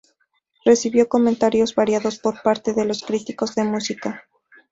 Recibió comentarios variados por parte de los críticos de música.